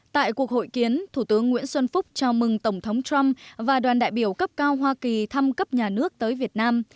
tại cuộc hội kiến thủ tướng nguyễn xuân phúc chào mừng tổng thống trump và đoàn đại biểu cấp cao hoa kỳ thăm cấp nhà nước tới việt nam